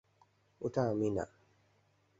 ওটা আমি না।